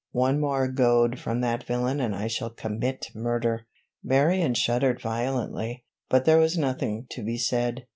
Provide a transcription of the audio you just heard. "One more goad from that villain and I shall commit murder!" Marion shuddered violently, but there was nothing to be said.